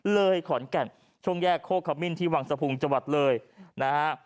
ขอนแก่นช่วงแยกโคกขมิ้นที่วังสะพุงจังหวัดเลยนะฮะ